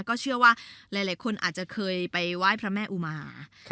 ก็เชื่อว่าหลายคนอาจจะเคยไปไหว้พระแม่อุมา